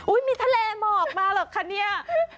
อุ๊ยมีทะเลหมอกมาหรอกค่ะเนี่ย